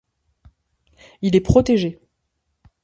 Il est protégé.